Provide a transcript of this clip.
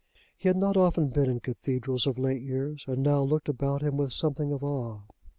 He had not often been in cathedrals of late years, and now looked about him with something of awe.